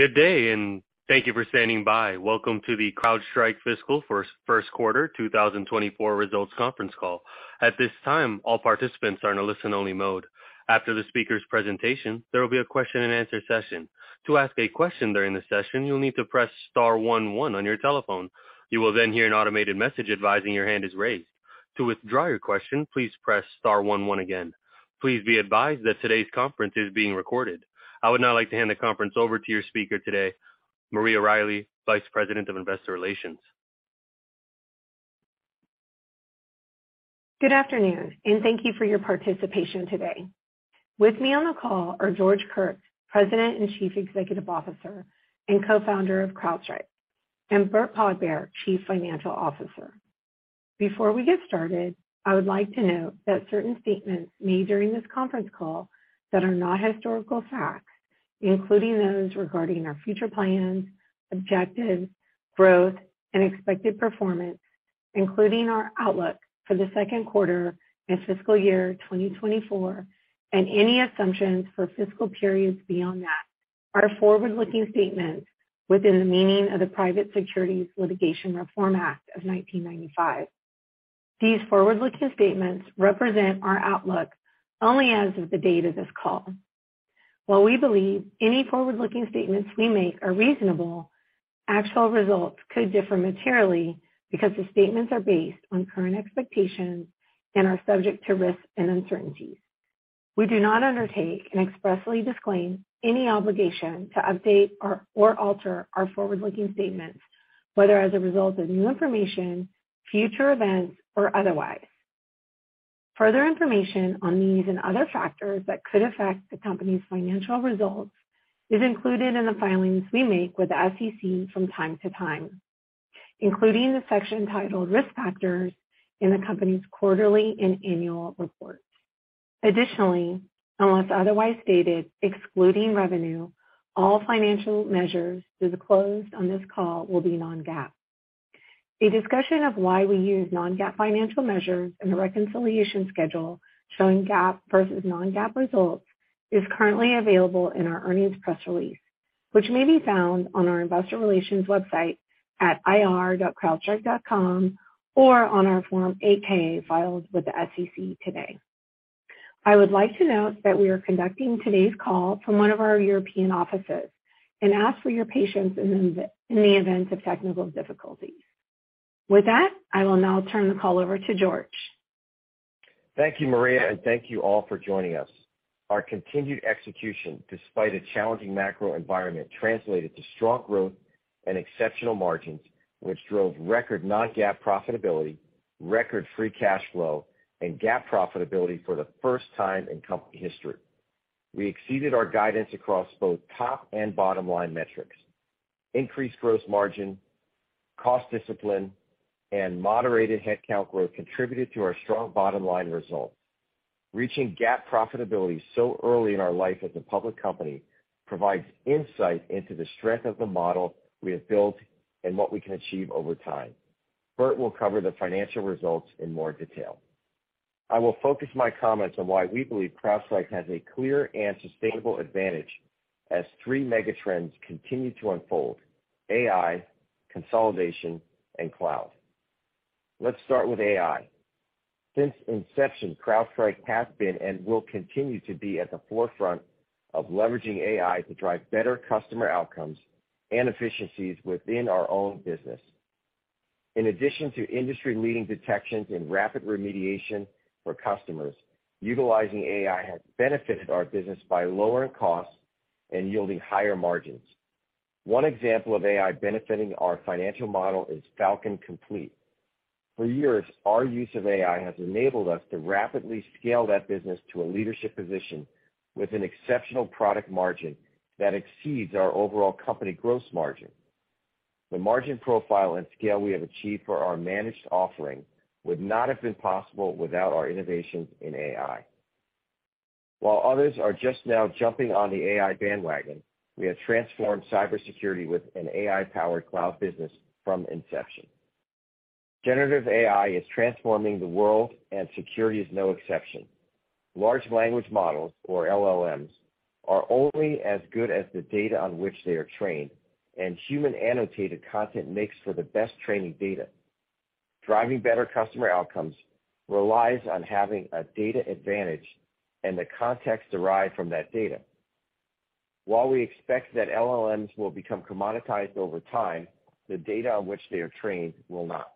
Good day, thank you for standing by. Welcome to the CrowdStrike Fiscal First Quarter 2024 Results Conference Call. At this time, all participants are in a listen-only mode. After the speaker's presentation, there will be a question-and-answer session. To ask a question during the session, you'll need to press star one one on your telephone. You will hear an automated message advising your hand is raised. To withdraw your question, please press star one one again. Please be advised that today's conference is being recorded. I would now like to hand the conference over to your speaker today, Maria Riley, Vice President of Investor Relations. Good afternoon. Thank you for your participation today. With me on the call are George Kurtz, President and Chief Executive Officer, and Co-founder of CrowdStrike, and Burt Podbere, Chief Financial Officer. Before we get started, I would like to note that certain statements made during this conference call that are not historical facts, including those regarding our future plans, objectives, growth, and expected performance, including our outlook for the second quarter and fiscal year 2024, and any assumptions for fiscal periods beyond that, are forward-looking statements within the meaning of the Private Securities Litigation Reform Act of 1995. These forward-looking statements represent our outlook only as of the date of this call. While we believe any forward-looking statements we make are reasonable, actual results could differ materially because the statements are based on current expectations and are subject to risks and uncertainties. We do not undertake and expressly disclaim any obligation to update or alter our forward-looking statements, whether as a result of new information, future events, or otherwise. Further information on these and other factors that could affect the company's financial results is included in the filings we make with the SEC from time to time, including the section titled Risk Factors in the company's quarterly and annual reports. Additionally, unless otherwise stated, excluding revenue, all financial measures disclosed on this call will be non-GAAP. A discussion of why we use non-GAAP financial measures and a reconciliation schedule showing GAAP versus non-GAAP results is currently available in our earnings press release, which may be found on our investor relations website at ir.crowdstrike.com, or on our Form 8-K filed with the SEC today. I would like to note that we are conducting today's call from one of our European offices and ask for your patience in the event of technical difficulties. With that, I will now turn the call over to George. Thank you, Maria, and thank you all for joining us. Our continued execution, despite a challenging macro environment, translated to strong growth and exceptional margins, which drove record non-GAAP profitability, record free cash flow, and GAAP profitability for the first time in company history. We exceeded our guidance across both top and bottom-line metrics. Increased gross margin, cost discipline, and moderated headcount growth contributed to our strong bottom-line results. Reaching GAAP profitability so early in our life as a public company provides insight into the strength of the model we have built and what we can achieve over time. Burt will cover the financial results in more detail. I will focus my comments on why we believe CrowdStrike has a clear and sustainable advantage as three megatrends continue to unfold: AI, consolidation, and cloud. Let's start with AI. Since inception, CrowdStrike has been and will continue to be at the forefront of leveraging AI to drive better customer outcomes and efficiencies within our own business. In addition to industry-leading detections and rapid remediation for customers, utilizing AI has benefited our business by lowering costs and yielding higher margins. One example of AI benefiting our financial model is Falcon Complete. For years, our use of AI has enabled us to rapidly scale that business to a leadership position with an exceptional product margin that exceeds our overall company gross margin. The margin profile and scale we have achieved for our managed offering would not have been possible without our innovations in AI. While others are just now jumping on the AI bandwagon, we have transformed cybersecurity with an AI-powered cloud business from inception. Generative AI is transforming the world, and security is no exception. Large language models, or LLMs, are only as good as the data on which they are trained, and human-annotated content makes for the best training data. Driving better customer outcomes relies on having a data advantage and the context derived from that data. While we expect that LLMs will become commoditized over time, the data on which they are trained will not.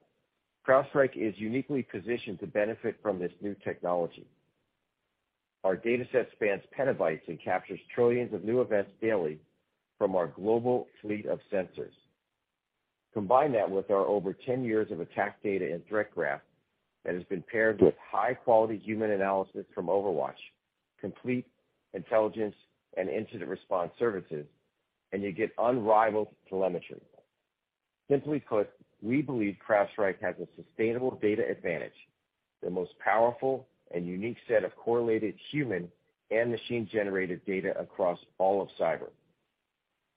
CrowdStrike is uniquely positioned to benefit from this new technology. Our dataset spans petabytes and captures trillions of new events daily from our global fleet of sensors. Combine that with our over 10 years of attack data and Threat Graph that has been paired with high-quality human analysis from OverWatch, complete intelligence and incident response services, and you get unrivaled telemetry. Simply put, we believe CrowdStrike has a sustainable data advantage, the most powerful and unique set of correlated human and machine-generated data across all of cyber.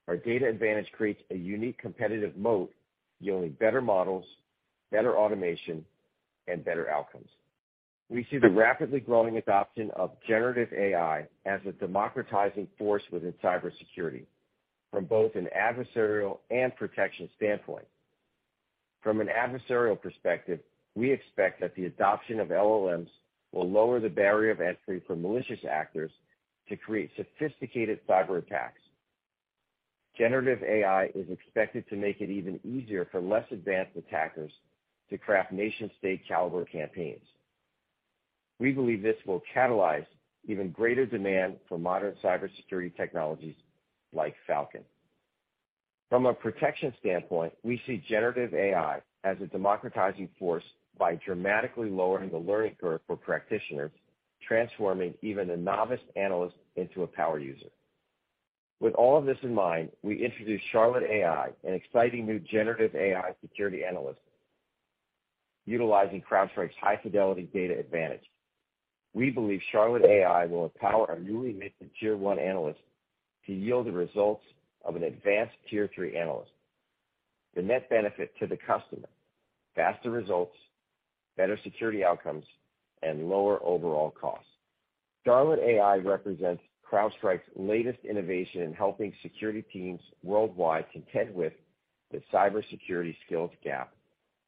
Our data advantage creates a unique competitive moat, yielding better models, better automation, and better outcomes. We see the rapidly growing adoption of generative AI as a democratizing force within cybersecurity, from both an adversarial and protection standpoint. From an adversarial perspective, we expect that the adoption of LLMs will lower the barrier of entry for malicious actors to create sophisticated cyber attacks. Generative AI is expected to make it even easier for less advanced attackers to craft nation-state caliber campaigns. We believe this will catalyze even greater demand for modern cybersecurity technologies like Falcon. From a protection standpoint, we see generative AI as a democratizing force by dramatically lowering the learning curve for practitioners, transforming even a novice analyst into a power user. With all of this in mind, we introduced Charlotte AI, an exciting new generative AI security analyst, utilizing CrowdStrike's high fidelity data advantage. We believe Charlotte AI will empower our newly minted Tier One analysts to yield the results of an advanced Tier Three analyst. The net benefit to the customer, faster results, better security outcomes, and lower overall costs. Charlotte AI represents CrowdStrike's latest innovation in helping security teams worldwide contend with the cybersecurity skills gap,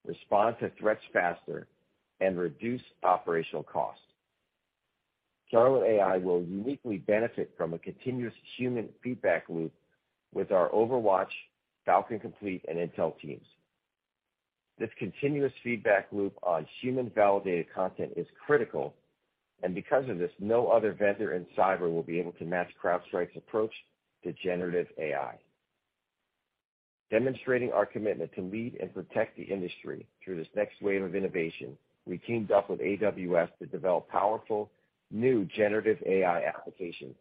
respond to threats faster, and reduce operational costs. Charlotte AI will uniquely benefit from a continuous human feedback loop with our OverWatch, Falcon Complete, and Intel teams. This continuous feedback loop on human-validated content is critical, and because of this, no other vendor in cyber will be able to match CrowdStrike's approach to generative AI. Demonstrating our commitment to lead and protect the industry through this next wave of innovation, we teamed up with AWS to develop powerful, new generative AI applications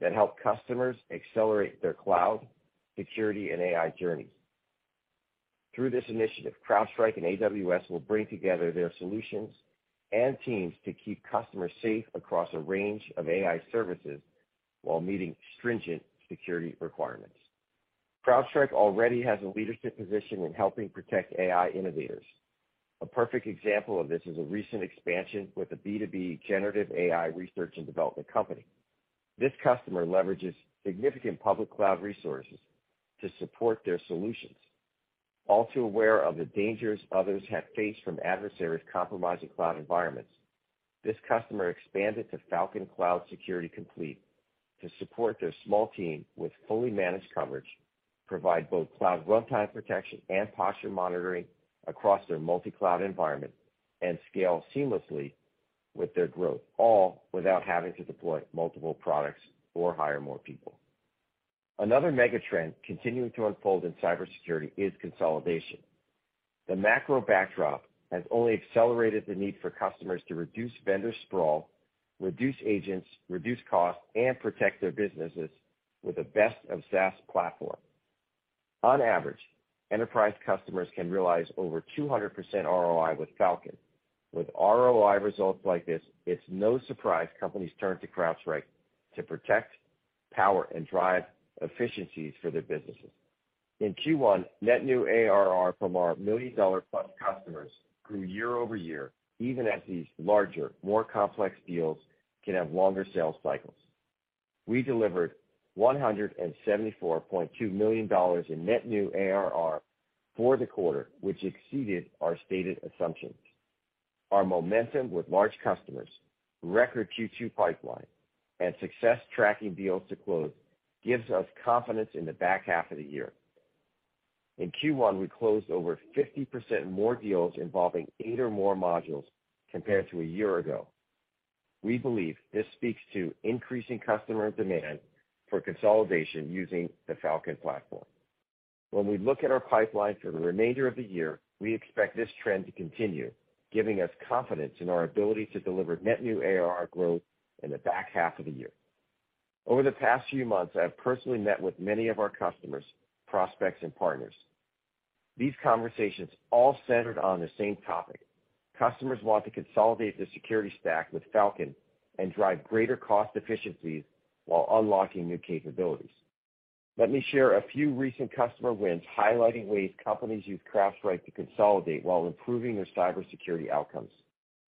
that help customers accelerate their cloud, security, and AI journeys. Through this initiative, CrowdStrike and AWS will bring together their solutions and teams to keep customers safe across a range of AI services while meeting stringent security requirements. CrowdStrike already has a leadership position in helping protect AI innovators. A perfect example of this is a recent expansion with a B2B generative AI research and development company. This customer leverages significant public cloud resources to support their solutions. All too aware of the dangers others have faced from adversaries compromising cloud environments, this customer expanded to Falcon Cloud Security Complete to support their small team with fully managed coverage, provide both cloud runtime protection and posture monitoring across their multi-cloud environment, and scale seamlessly with their growth, all without having to deploy multiple products or hire more people. Another megatrend continuing to unfold in cybersecurity is consolidation. The macro backdrop has only accelerated the need for customers to reduce vendor sprawl, reduce agents, reduce costs, and protect their businesses with the best of SaaS platform. On average, enterprise customers can realize over 200% ROI with Falcon. With ROI results like this, it's no surprise companies turn to CrowdStrike to protect, power, and drive efficiencies for their businesses. In Q1, net new ARR from our million-dollar-plus customers grew year-over-year, even as these larger, more complex deals can have longer sales cycles. We delivered $174.2 million in net new ARR for the quarter, which exceeded our stated assumptions. Our momentum with large customers, record Q2 pipeline, and success tracking deals to close gives us confidence in the back half of the year. In Q1, we closed over 50% more deals involving eight or more modules compared to a year ago. We believe this speaks to increasing customer demand for consolidation using the Falcon platform. When we look at our pipeline for the remainder of the year, we expect this trend to continue, giving us confidence in our ability to deliver net new ARR growth in the back half of the year. Over the past few months, I have personally met with many of our customers, prospects, and partners. These conversations all centered on the same topic. Customers want to consolidate their security stack with Falcon and drive greater cost efficiencies while unlocking new capabilities. Let me share a few recent customer wins, highlighting ways companies use CrowdStrike to consolidate while improving their cybersecurity outcomes.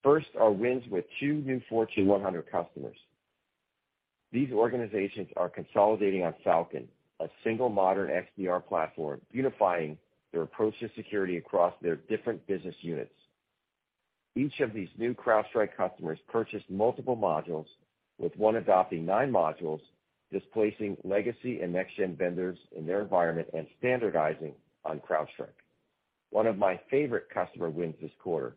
First, our wins with two new Fortune 100 customers. These organizations are consolidating on Falcon, a single modern XDR platform, unifying their approach to security across their different business units. Each of these new CrowdStrike customers purchased multiple modules, with one adopting nine modules, displacing legacy and next gen vendors in their environment and standardizing on CrowdStrike. One of my favorite customer wins this quarter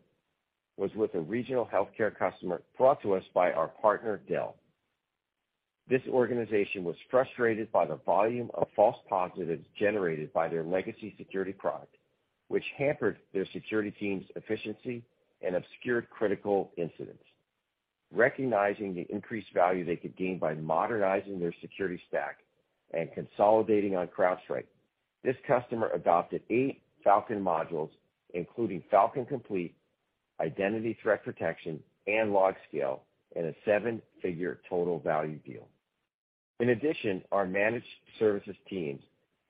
was with a regional healthcare customer brought to us by our partner, Dell. This organization was frustrated by the volume of false positives generated by their legacy security product, which hampered their security team's efficiency and obscured critical incidents. Recognizing the increased value they could gain by modernizing their security stack and consolidating on CrowdStrike, this customer adopted eight Falcon modules, including Falcon Complete, Identity Threat Protection, and LogScale, in a seven-figure total value deal. In addition, our managed services teams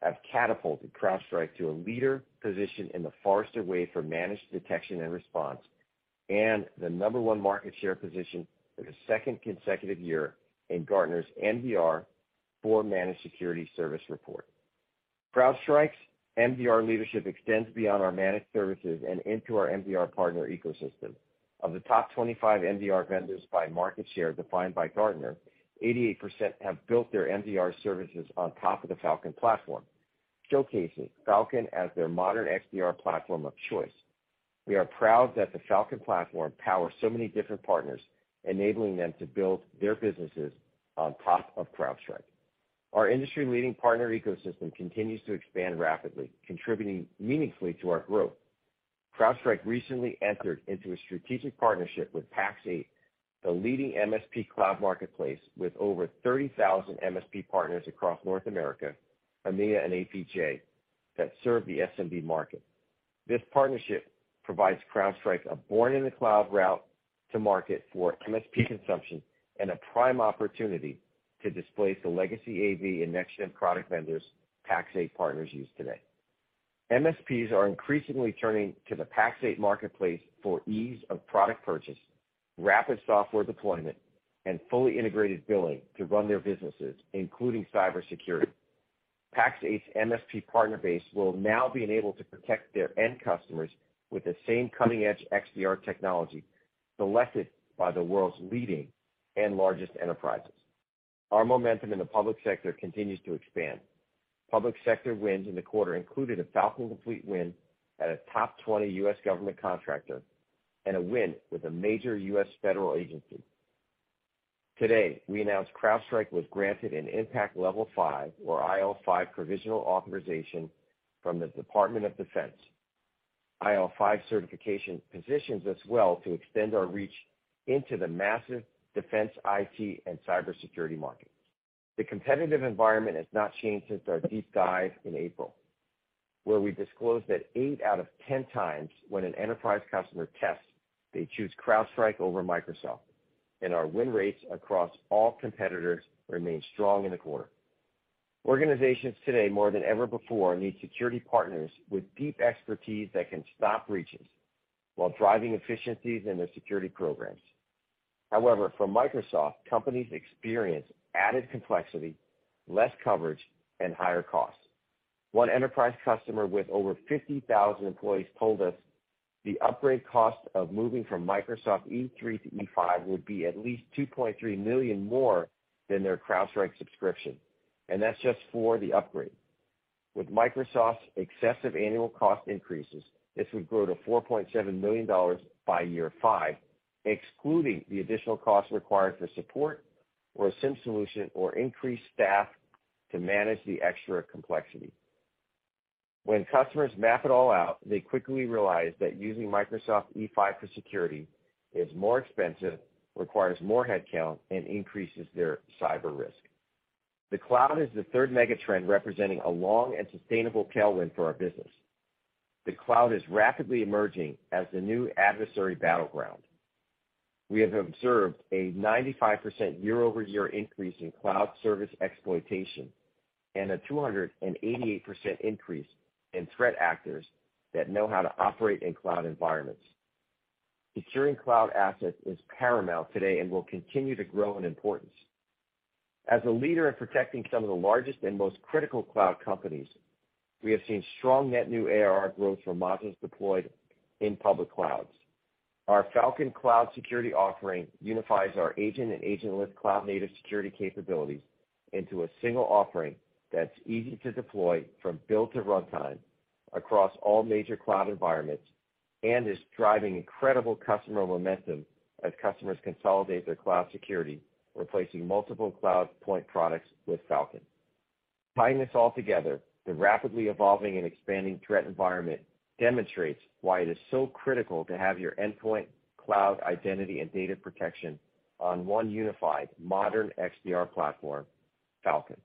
have catapulted CrowdStrike to a leader position in the Forrester Wave for managed detection and response, and the number one market share position for the second consecutive year in Gartner's MDR for Managed Security Service report. CrowdStrike's MDR leadership extends beyond our managed services and into our MDR partner ecosystem. Of the top 25 MDR vendors by market share defined by Gartner, 88% have built their MDR services on top of the Falcon platform, showcasing Falcon as their modern XDR platform of choice. We are proud that the Falcon platform powers so many different partners, enabling them to build their businesses on top of CrowdStrike. Our industry-leading partner ecosystem continues to expand rapidly, contributing meaningfully to our growth. CrowdStrike recently entered into a strategic partnership with Pax8, the leading MSP cloud marketplace, with over 30,000 MSP partners across North America, EMEA, and APJ that serve the SMB market. This partnership provides CrowdStrike a born in the cloud route to market for MSP consumption and a prime opportunity to displace the legacy AV and next gen product vendors Pax8 partners use today. MSPs are increasingly turning to the Pax8 marketplace for ease of product purchase, rapid software deployment, and fully integrated billing to run their businesses, including cybersecurity. Pax8's MSP partner base will now be enabled to protect their end customers with the same cutting edge XDR technology selected by the world's leading and largest enterprises. Our momentum in the public sector continues to expand. Public sector wins in the quarter included a Falcon Complete win at a top 20 U.S. government contractor and a win with a major U.S. federal agency. Today, we announced CrowdStrike was granted an Impact Level 5, or IL5, provisional authorization from the Department of Defense. IL5 certification positions us well to extend our reach into the massive defense IT and cybersecurity market. The competitive environment has not changed since our deep dive in April, where we disclosed that eight out of 10 times when an enterprise customer tests, they choose CrowdStrike over Microsoft, and our win rates across all competitors remained strong in the quarter. Organizations today, more than ever before, need security partners with deep expertise that can stop breaches while driving efficiencies in their security programs. However, for Microsoft, companies experience added complexity, less coverage, and higher costs. One enterprise customer with over 50,000 employees told us the upgrade cost of moving from Microsoft E3 to E5 would be at least $2.3 million more than their CrowdStrike subscription, and that's just for the upgrade. With Microsoft's excessive annual cost increases, this would grow to $4.7 million by year 5, excluding the additional costs required for support or a SIEM solution or increased staff to manage the extra complexity. When customers map it all out, they quickly realize that using Microsoft E5 for security is more expensive, requires more headcount, and increases their cyber risk. The cloud is the third mega trend, representing a long and sustainable tailwind for our business. The cloud is rapidly emerging as the new adversary battleground. We have observed a 95% year-over-year increase in cloud service exploitation, and a 288% increase in threat actors that know how to operate in cloud environments. Securing cloud assets is paramount today and will continue to grow in importance. As a leader in protecting some of the largest and most critical cloud companies, we have seen strong net new ARR growth from modules deployed in public clouds. Our Falcon Cloud Security offering unifies our agent and agentless cloud native security capabilities into a single offering that's easy to deploy from built to runtime across all major cloud environments, and is driving incredible customer momentum as customers consolidate their cloud security, replacing multiple cloud point products with Falcon. Tying this all together, the rapidly evolving and expanding threat environment demonstrates why it is so critical to have your endpoint, cloud, identity, and data protection on one unified modern XDR platform, Falcon.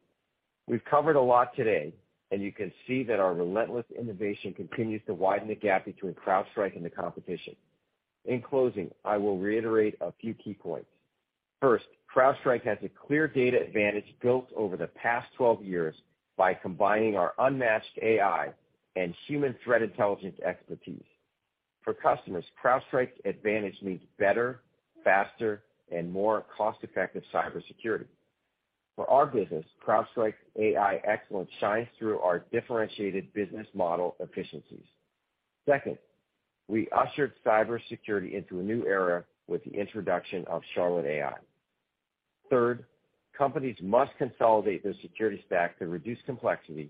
We've covered a lot today, and you can see that our relentless innovation continues to widen the gap between CrowdStrike and the competition. In closing, I will reiterate a few key points. First, CrowdStrike has a clear data advantage built over the past 12 years by combining our unmatched AI and human threat intelligence expertise. For customers, CrowdStrike's advantage means better, faster, and more cost-effective cybersecurity. For our business, CrowdStrike's AI excellence shines through our differentiated business model efficiencies. Second, we ushered cybersecurity into a new era with the introduction of Charlotte AI. Third, companies must consolidate their security stack to reduce complexity,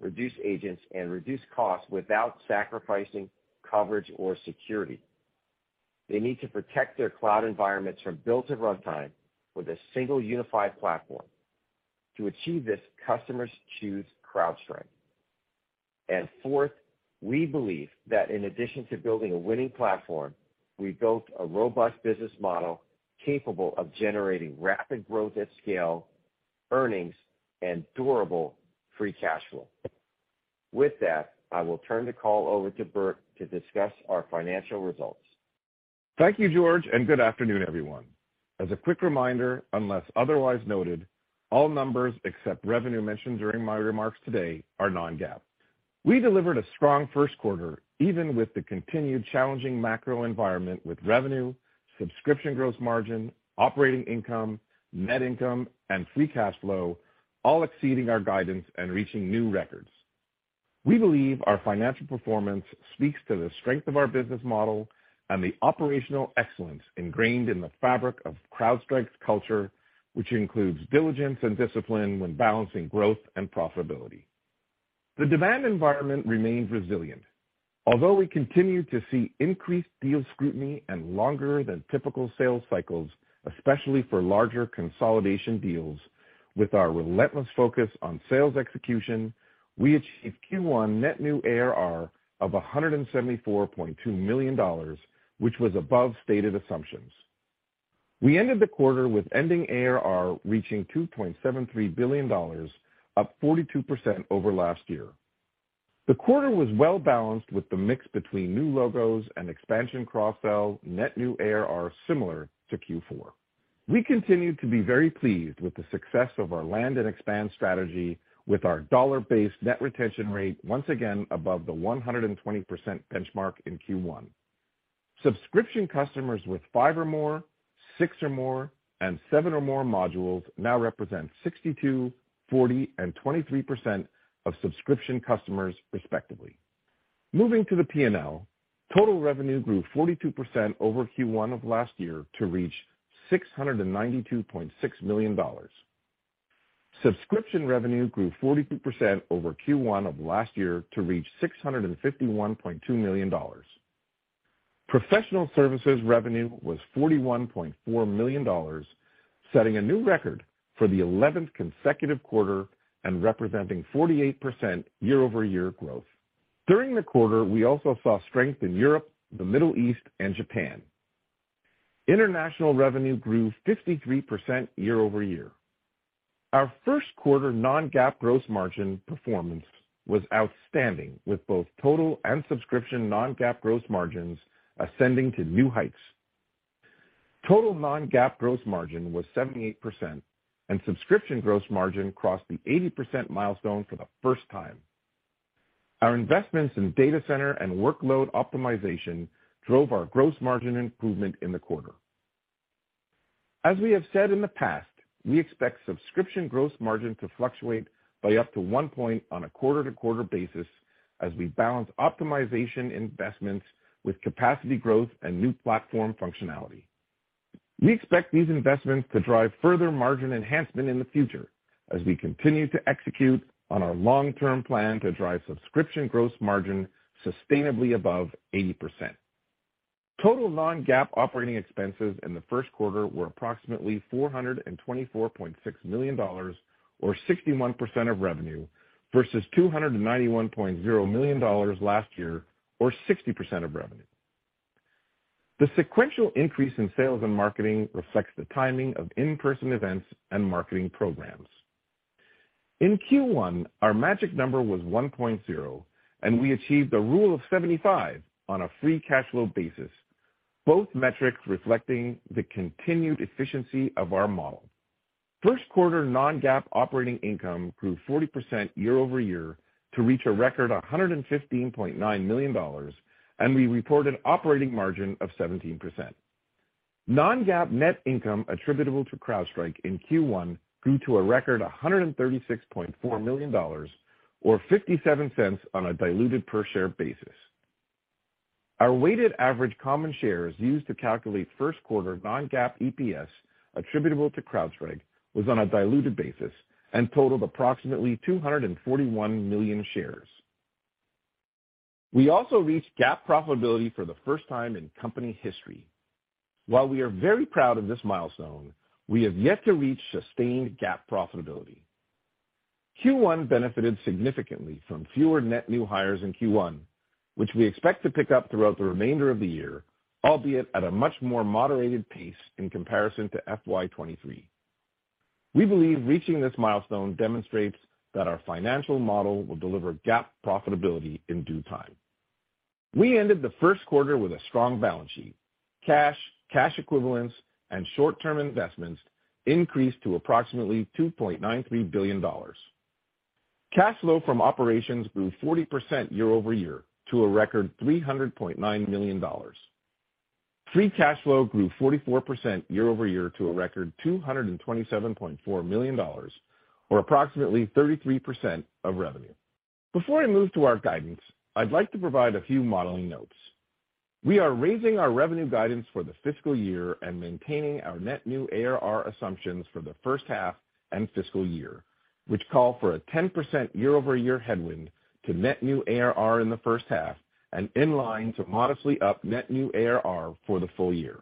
reduce agents, and reduce costs without sacrificing coverage or security. They need to protect their cloud environments from built to runtime with a single unified platform. To achieve this, customers choose CrowdStrike. Fourth, we believe that in addition to building a winning platform, we built a robust business model capable of generating rapid growth at scale, earnings, and durable free cash flow. With that, I will turn the call over to Burt to discuss our financial results. Thank you, George, and good afternoon, everyone. As a quick reminder, unless otherwise noted, all numbers except revenue mentioned during my remarks today are non-GAAP. We delivered a strong first quarter, even with the continued challenging macro environment, with revenue, subscription gross margin, operating income, net income, and free cash flow, all exceeding our guidance and reaching new records. We believe our financial performance speaks to the strength of our business model and the operational excellence ingrained in the fabric of CrowdStrike's culture, which includes diligence and discipline when balancing growth and profitability. The demand environment remains resilient. Although we continue to see increased deal scrutiny and longer than typical sales cycles, especially for larger consolidation deals, with our relentless focus on sales execution, we achieved Q1 net new ARR of $174.2 million, which was above stated assumptions. We ended the quarter with ending ARR reaching $2.73 billion, up 42% over last year. The quarter was well-balanced, with the mix between new logos and expansion cross-sell net new ARR similar to Q4. We continue to be very pleased with the success of our land and expand strategy, with our dollar-based net retention rate once again above the 120% benchmark in Q1. Subscription customers with five or more, six or more, and seven or more modules now represent 62%, 40%, and 23% of subscription customers, respectively. Moving to the P&L, total revenue grew 42% over Q1 of last year to reach $692.6 million. Subscription revenue grew 42% over Q1 of last year to reach $651.2 million. Professional services revenue was $41.4 million, setting a new record for the 11th consecutive quarter and representing 48% year-over-year growth. During the quarter, we also saw strength in Europe, the Middle East, and Japan. International revenue grew 53% year-over-year. Our first quarter non-GAAP gross margin performance was outstanding, with both total and subscription non-GAAP gross margins ascending to new heights. Total non-GAAP gross margin was 78%, and subscription gross margin crossed the 80% milestone for the first time. Our investments in data center and workload optimization drove our gross margin improvement in the quarter. As we have said in the past, we expect subscription gross margin to fluctuate by up to one point on a quarter-to-quarter basis as we balance optimization investments with capacity growth and new platform functionality. We expect these investments to drive further margin enhancement in the future as we continue to execute on our long-term plan to drive subscription gross margin sustainably above 80%. Total non-GAAP operating expenses in the first quarter were approximately $424.6 million, or 61% of revenue, versus $291.0 million last year, or 60% of revenue. The sequential increase in sales and marketing reflects the timing of in-person events and marketing programs. In Q1, our magic number was 1.0, and we achieved a Rule of 75 on a free cash flow basis, both metrics reflecting the continued efficiency of our model. First quarter non-GAAP operating income grew 40% year-over-year to reach a record $115.9 million, and we reported operating margin of 17%. Non-GAAP net income attributable to CrowdStrike in Q1 grew to a record $136.4 million, or $0.57 on a diluted per share basis. Our weighted average common shares used to calculate first quarter non-GAAP EPS attributable to CrowdStrike was on a diluted basis and totaled approximately 241 million shares. We also reached GAAP profitability for the first time in company history. While we are very proud of this milestone, we have yet to reach sustained GAAP profitability. Q1 benefited significantly from fewer net new hires in Q1, which we expect to pick up throughout the remainder of the year, albeit at a much more moderated pace in comparison to FY 2023. We believe reaching this milestone demonstrates that our financial model will deliver GAAP profitability in due time. We ended the first quarter with a strong balance sheet. Cash, cash equivalents, and short-term investments increased to approximately $2.93 billion. Cash flow from operations grew 40% year-over-year to a record $300.9 million. Free cash flow grew 44% year-over-year to a record $227.4 million, or approximately 33% of revenue. Before I move to our guidance, I'd like to provide a few modeling notes. We are raising our revenue guidance for the fiscal year and maintaining our net new ARR assumptions for the first half and fiscal year, which call for a 10% year-over-year headwind to net new ARR in the first half and in line to modestly up net new ARR for the full year.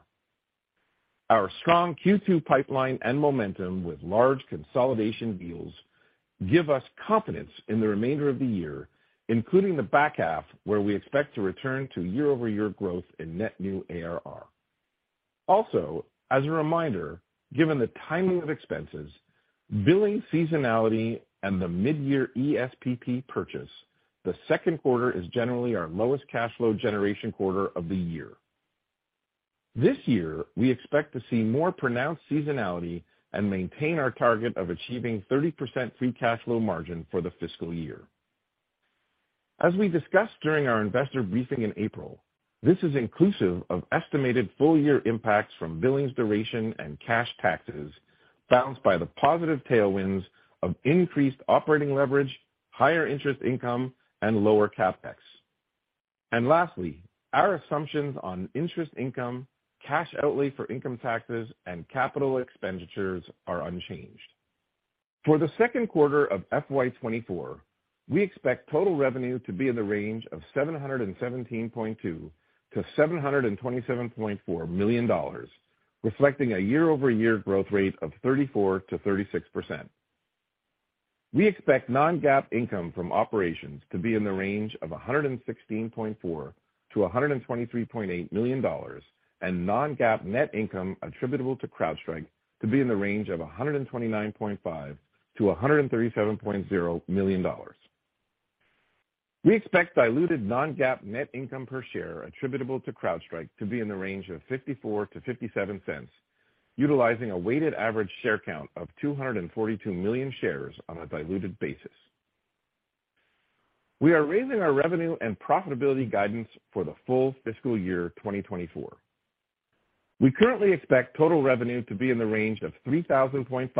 Our strong Q2 pipeline and momentum with large consolidation deals give us confidence in the remainder of the year, including the back half, where we expect to return to year-over-year growth in net new ARR. As a reminder, given the timing of expenses, billing seasonality, and the mid-year ESPP purchase, the second quarter is generally our lowest cash flow generation quarter of the year. This year, we expect to see more pronounced seasonality and maintain our target of achieving 30% free cash flow margin for the fiscal year. As we discussed during our investor briefing in April, this is inclusive of estimated full year impacts from billings duration and cash taxes, balanced by the positive tailwinds of increased operating leverage, higher interest income, and lower CapEx. Lastly, our assumptions on interest income, cash outlay for income taxes, and capital expenditures are unchanged. For the second quarter of FY 2024, we expect total revenue to be in the range of $717.2 million-$727.4 million, reflecting a year-over-year growth rate of 34%-36%. We expect non-GAAP income from operations to be in the range of $116.4 million-$123.8 million, and non-GAAP net income attributable to CrowdStrike to be in the range of $129.5 million-$137.0 million. We expect diluted non-GAAP net income per share attributable to CrowdStrike to be in the range of $0.54-$0.57, utilizing a weighted average share count of 242 million shares on a diluted basis. We are raising our revenue and profitability guidance for the full fiscal year 2024. We currently expect total revenue to be in the range of $3,000.5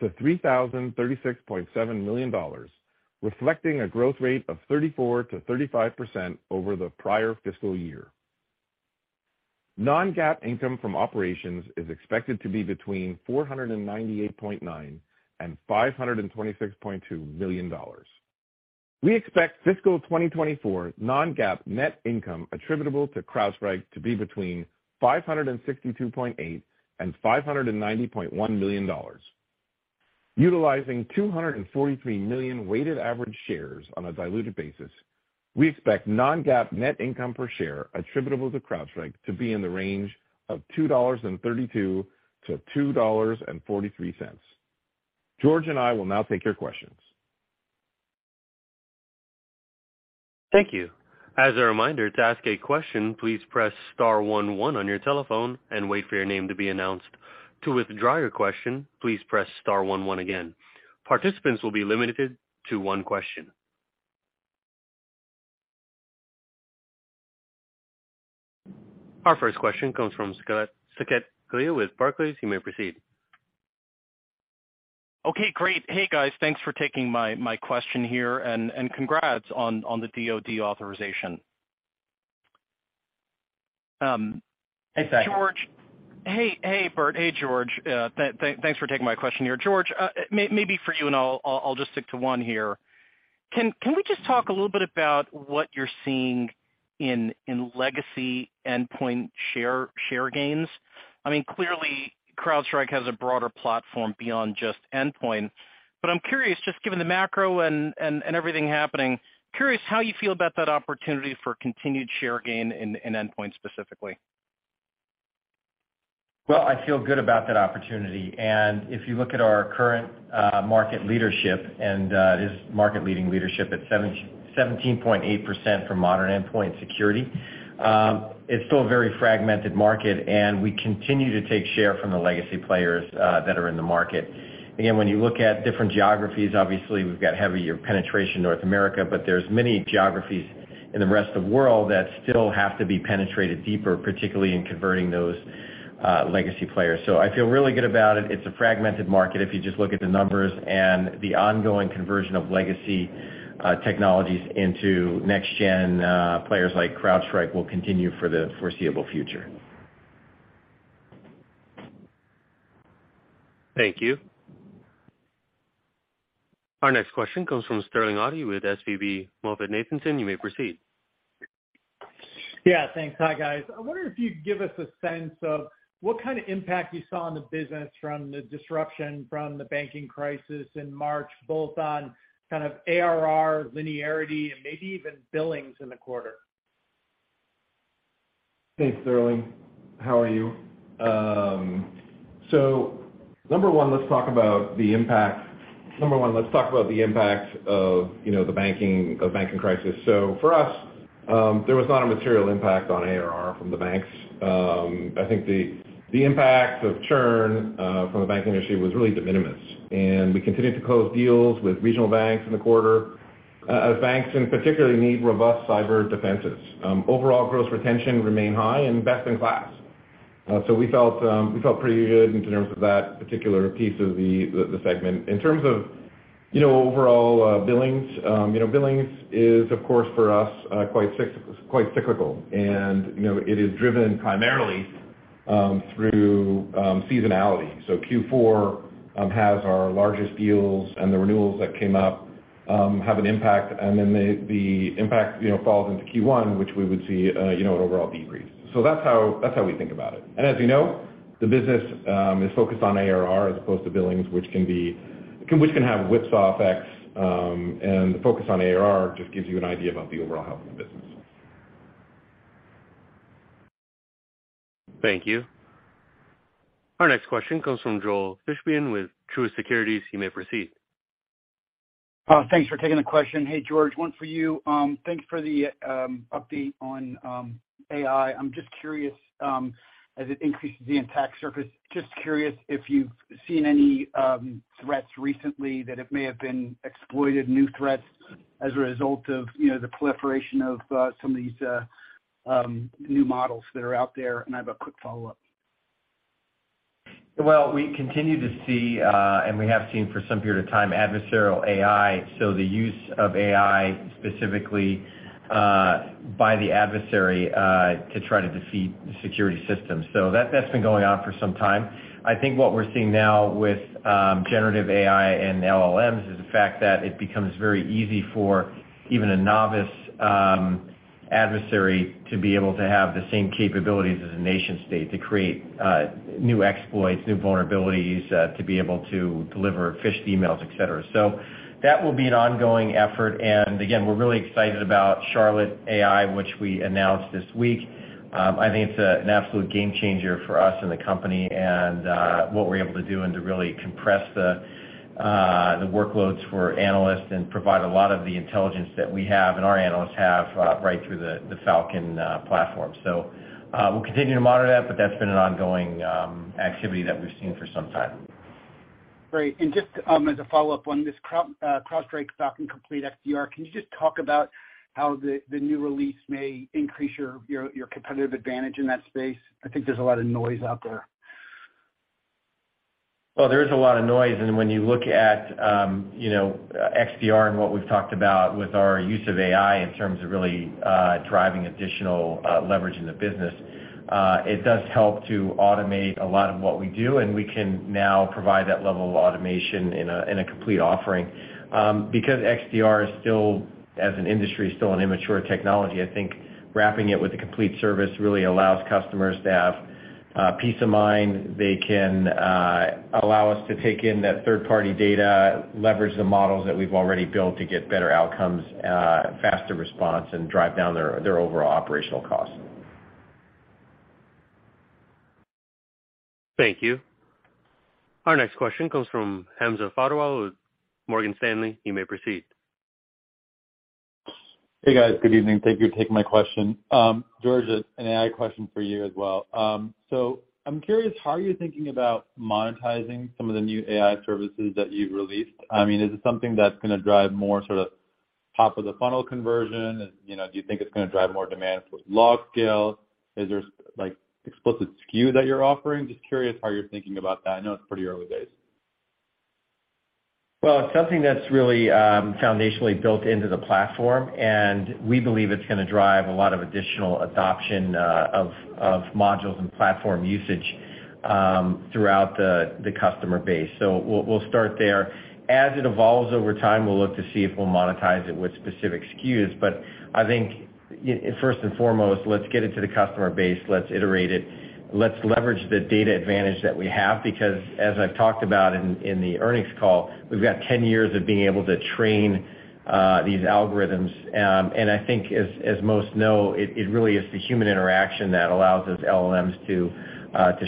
million-$3,036.7 million, reflecting a growth rate of 34%-35% over the prior fiscal year. Non-GAAP income from operations is expected to be between $498.9 million and $526.2 million. We expect fiscal 2024 non-GAAP net income attributable to CrowdStrike to be between $562.8 million and $590.1 million. Utilizing 243 million weighted average shares on a diluted basis, we expect non-GAAP net income per share attributable to CrowdStrike to be in the range of $2.32-$2.43. George and I will now take your questions. Thank you. As a reminder, to ask a question, please press star one one on your telephone and wait for your name to be announced. To withdraw your question, please press star one one again. Participants will be limited to one question. Our first question comes from Saket Kalia with Barclays. You may proceed. Okay, great. Hey, guys, thanks for taking my question here, and congrats on the DoD authorization. Hey, Saket. George, Hey, Burt. Hey, George, thanks for taking my question here. George, maybe for you, and I'll just stick to one here. Can we just talk a little bit about what you're seeing in legacy endpoint share gains? I mean, clearly, CrowdStrike has a broader platform beyond just endpoint, but I'm curious, just given the macro and everything happening, curious how you feel about that opportunity for continued share gain in endpoint specifically? I feel good about that opportunity, and if you look at our current market leadership and it is market-leading leadership at 17.8% for modern endpoint security, it's still a very fragmented market, and we continue to take share from the legacy players that are in the market. When you look at different geographies, obviously, we've got heavier penetration in North America, but there's many geographies in the rest of the world that still have to be penetrated deeper, particularly in converting those legacy players. I feel really good about it. It's a fragmented market if you just look at the numbers and the ongoing conversion of legacy technologies into next gen players like CrowdStrike will continue for the foreseeable future. Thank you. Our next question comes from Sterling Auty with SVB MoffettNathanson. You may proceed. Yeah, thanks. Hi, guys. I wonder if you could give us a sense of what kind of impact you saw in the business from the disruption from the banking crisis in March, both on kind of ARR linearity and maybe even billings in the quarter? Thanks, Sterling. How are you? 1, let's talk about the impact of, you know, the banking crisis. For us, there was not a material impact on ARR from the banks. I think the impact of churn from the banking industry was really de minimis, and we continued to close deals with regional banks in the quarter, as banks in particularly need robust cyber defenses. Overall gross retention remain high and best in class. We felt pretty good in terms of that particular piece of the segment. In terms of, you know, overall billings, you know, billings is, of course, for us, quite cyclical, and, you know, it is driven primarily through seasonality. Q4 has our largest deals, and the renewals that came up have an impact, and then the impact, you know, falls into Q1, which we would see, you know, an overall decrease. That's how we think about it. As you know.... the business, is focused on ARR as opposed to billings, which can have whipsaw effects, and the focus on ARR just gives you an idea about the overall health of the business. Thank you. Our next question comes from Joel Fishbein with Truist Securities. You may proceed. Thanks for taking the question. Hey, George, one for you. Thanks for the update on AI. I'm just curious, as it increases the attack surface, just curious if you've seen any threats recently, that it may have been exploited, new threats as a result of, you know, the proliferation of some of these new models that are out there? I have a quick follow-up. We continue to see, and we have seen for some period of time, adversarial AI, so the use of AI, specifically, by the adversary, to try to defeat the security system. That's been going on for some time. I think what we're seeing now with generative AI and LLMs is the fact that it becomes very easy for even a novice adversary to be able to have the same capabilities as a nation-state to create new exploits, new vulnerabilities, to be able to deliver phished emails, et cetera. That will be an ongoing effort, and again, we're really excited about Charlotte AI, which we announced this week. I think it's an absolute game changer for us and the company and what we're able to do, and to really compress the workloads for analysts and provide a lot of the intelligence that we have, and our analysts have, right through the Falcon platform. We'll continue to monitor that, but that's been an ongoing activity that we've seen for some time. Great. Just, as a follow-up on this CrowdStrike Falcon Complete XDR, can you just talk about how the new release may increase your competitive advantage in that space? I think there's a lot of noise out there. There is a lot of noise, and when you look at, you know, XDR and what we've talked about with our use of AI in terms of really, driving additional leverage in the business, it does help to automate a lot of what we do, and we can now provide that level of automation in a complete offering. Because XDR is still, as an industry, still an immature technology, I think wrapping it with a complete service really allows customers to have peace of mind. They can allow us to take in that third-party data, leverage the models that we've already built to get better outcomes, faster response, and drive down their overall operational costs. Thank you. Our next question comes from Hamza Fodderwala with Morgan Stanley. You may proceed. Hey, guys, good evening. Thank you for taking my question. George, an AI question for you as well. I'm curious, how are you thinking about monetizing some of the new AI services that you've released? I mean, is it something that's gonna drive more sort of top-of-the-funnel conversion? You know, do you think it's gonna drive more demand for LogScale? Is there, like, explicit SKU that you're offering? Just curious how you're thinking about that. I know it's pretty early days. It's something that's really foundationally built into the platform, and we believe it's gonna drive a lot of additional adoption of modules and platform usage throughout the customer base. We'll start there. As it evolves over time, we'll look to see if we'll monetize it with specific SKUs. I think, first and foremost, let's get it to the customer base. Let's iterate it. Let's leverage the data advantage that we have, because as I've talked about in the earnings call, we've got 10 years of being able to train these algorithms. I think as most know, it really is the human interaction that allows those LLMs to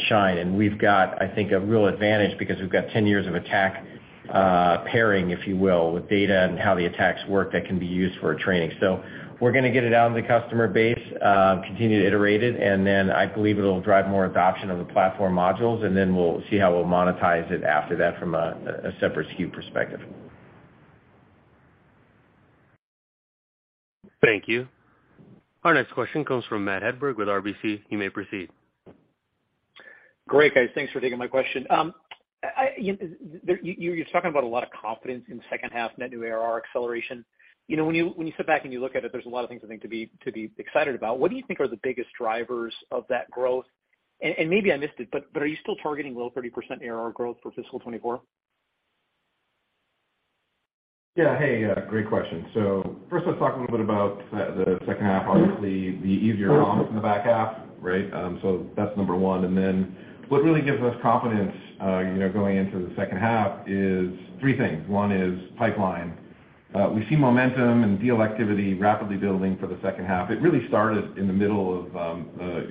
shine. We've got, I think, a real advantage because we've got 10 years of attack pairing, if you will, with data and how the attacks work that can be used for training. We're gonna get it out in the customer base, continue to iterate it, and then I believe it'll drive more adoption of the platform modules, and then we'll see how we'll monetize it after that from a separate SKU perspective. Thank you. Our next question comes from Matt Hedberg with RBC. You may proceed. Great, guys. Thanks for taking my question. You're talking about a lot of confidence in the second half, net new ARR acceleration. You know, when you, when you sit back and you look at it, there's a lot of things, I think, to be, to be excited about. What do you think are the biggest drivers of that growth? Maybe I missed it, but are you still targeting low 30% ARR growth for fiscal 2024? Yeah. Hey, great question. First, let's talk a little bit about the second half. Obviously, the easier comp in the back half, right? That's number one. What really gives us confidence, you know, going into the second half is three things. one is pipeline. We see momentum and deal activity rapidly building for the second half. It really started in the middle of,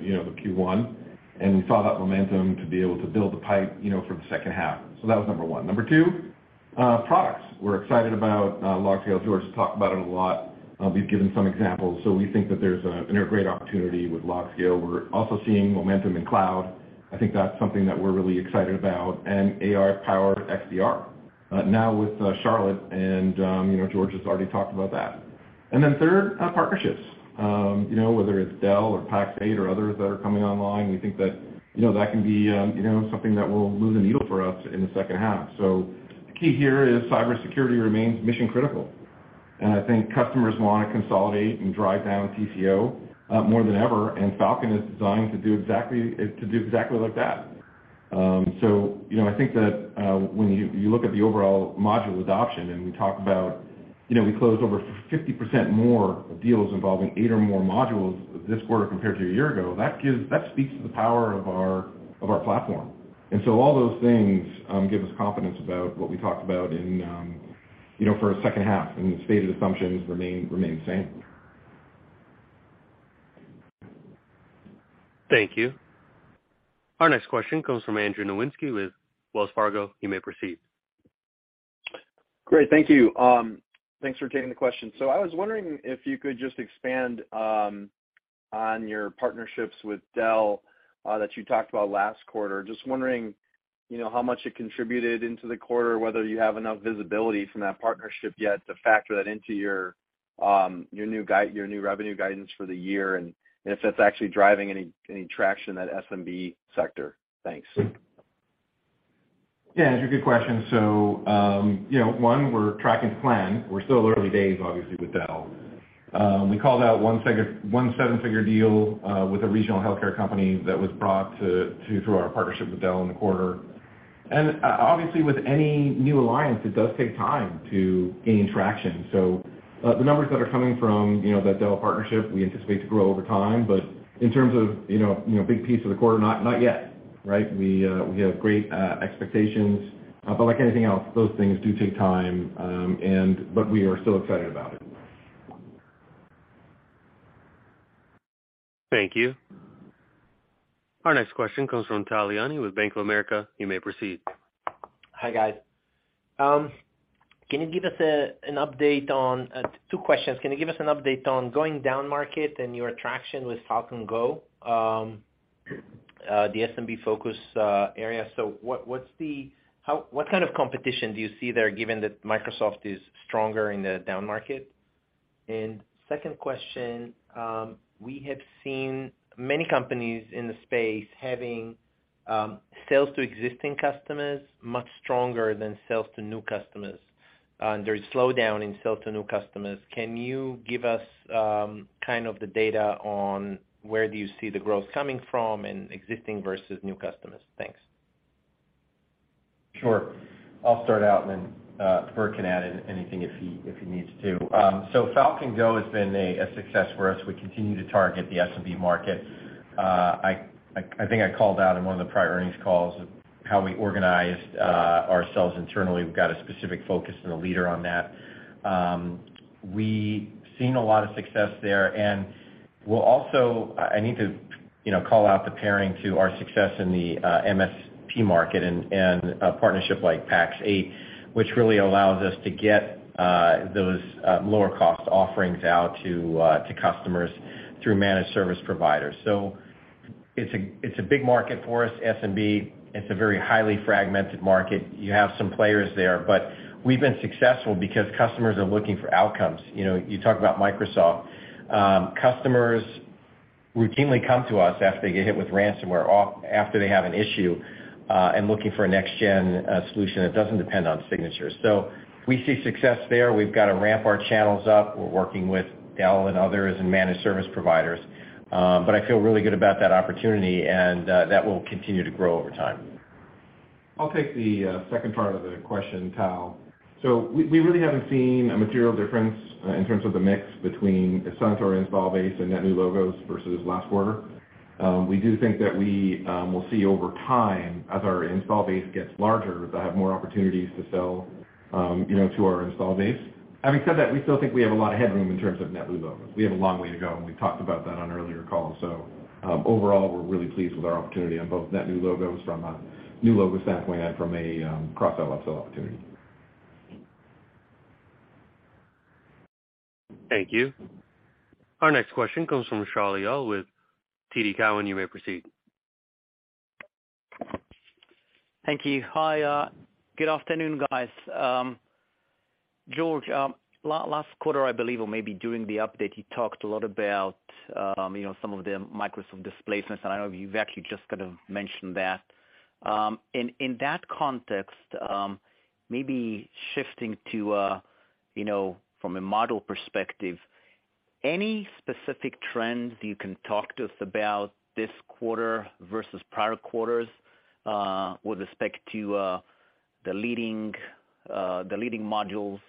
you know, the Q1. We saw that momentum to be able to build the pipe, you know, for the second half. That was number one. Number two, products. We're excited about LogScale. George has talked about it a lot. We've given some examples. We think that there's a, you know, a great opportunity with LogScale. We're also seeing momentum in cloud. I think that's something that we're really excited about, and AI-powered XDR. Now with Charlotte, George has already talked about that. Third, partnerships. Whether it's Dell or Pax8 or others that are coming online, we think that can be something that will move the needle for us in the second half. The key here is cybersecurity remains mission-critical, and I think customers want to consolidate and drive down TCO more than ever, and Falcon is designed to do exactly like that. I think that when you look at the overall module adoption, and we talk about. You know, we closed over 50% more deals involving eight or more modules this quarter compared to a year ago. That speaks to the power of our platform. All those things give us confidence about what we talked about in, you know, for our second half. The stated assumptions remain the same. Thank you. Our next question comes from Andrew Nowinski with Wells Fargo. You may proceed. Great, thank you. Thanks for taking the question. I was wondering if you could just expand on your partnerships with Dell that you talked about last quarter. Just wondering, you know, how much it contributed into the quarter, whether you have enough visibility from that partnership yet to factor that into your new revenue guidance for the year, and if that's actually driving any traction in that SMB sector? Thanks. Yeah, it's a good question. You know, one, we're tracking to plan. We're still early days, obviously, with Dell. We called out one seven-figure deal with a regional healthcare company that was brought through our partnership with Dell in the quarter. Obviously, with any new alliance, it does take time to gain traction. The numbers that are coming from, you know, that Dell partnership, we anticipate to grow over time. In terms of, you know, big piece of the quarter, not yet, right? We have great expectations, but like anything else, those things do take time, and but we are still excited about it. Thank you. Our next question comes from Tal Liani with Bank of America. You may proceed. Hi, guys. Two questions. Can you give us an update on going down market and your attraction with Falcon Go, the SMB focus, area? What kind of competition do you see there, given that Microsoft is stronger in the down market? Second question, we have seen many companies in the space having sales to existing customers much stronger than sales to new customers, and there is slowdown in sales to new customers. Can you give us kind of the data on where do you see the growth coming from and existing versus new customers? Thanks. Sure. I'll start out. Burt can add anything if he needs to. Falcon Go has been a success for us. We continue to target the SMB market. I think I called out in one of the prior earnings calls of how we organized ourselves internally. We've got a specific focus and a leader on that. We've seen a lot of success there. I need to, you know, call out the pairing to our success in the MSP market and a partnership like Pax8, which really allows us to get those lower cost offerings out to customers through managed service providers. It's a big market for us, SMB. It's a very highly fragmented market. You have some players there, but we've been successful because customers are looking for outcomes. You know, you talk about Microsoft, customers routinely come to us after they get hit with ransomware, or after they have an issue, and looking for a next gen solution that doesn't depend on signatures. We see success there. We've got to ramp our channels up. We're working with Dell and others and managed service providers. I feel really good about that opportunity, and that will continue to grow over time. I'll take the second part of the question, Tal. We really haven't seen a material difference in terms of the mix between the size of our install base and net new logos versus last quarter. We do think that we will see over time, as our install base gets larger, they'll have more opportunities to sell, you know, to our install base. Having said that, we still think we have a lot of headroom in terms of net new logos. We have a long way to go, and we talked about that on earlier calls. Overall, we're really pleased with our opportunity on both net new logos from a new logo standpoint and from a cross-sell, upsell opportunity. Thank you. Our next question comes from Shaul Eyal with TD Cowen. You may proceed. Thank you. Hi, good afternoon, guys. George, last quarter, I believe, or maybe during the update, you talked a lot about, you know, some of the Microsoft displacements, and I know you've actually just kind of mentioned that. In that context, maybe shifting to, you know, from a model perspective, any specific trends you can talk to us about this quarter versus prior quarters, with respect to the leading, the leading modules,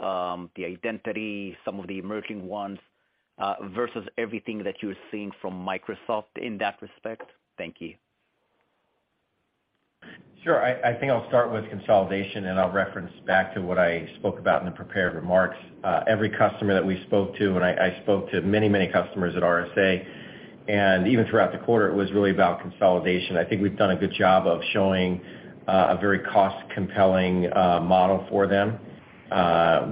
the identity, some of the emerging ones, versus everything that you're seeing from Microsoft in that respect? Thank you. Sure. I think I'll start with consolidation, and I'll reference back to what I spoke about in the prepared remarks. Every customer that we spoke to, and I spoke to many, many customers at RSA, and even throughout the quarter, it was really about consolidation. I think we've done a good job of showing a very cost-compelling model for them,